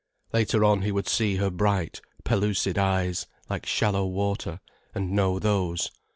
Later on he would see her bright, pellucid eyes, like shallow water, and know those.